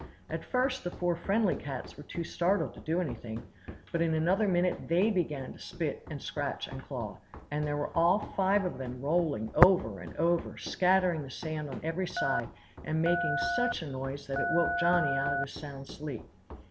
At first the four friendly cats were too startled to do anything; but in another minute they began to spit and scratch and claw, and there were all five of them rolling over and over, scattering the sand on every side, and making such a noise that it woke Johnny out of his sound sleep.